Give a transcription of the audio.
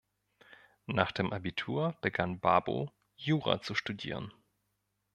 Nach dem Abitur begann Babo Jura zu studieren.